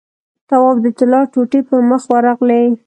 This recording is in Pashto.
تواب د طلا ټوټې پر مخ ورغلې.